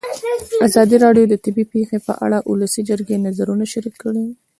ازادي راډیو د طبیعي پېښې په اړه د ولسي جرګې نظرونه شریک کړي.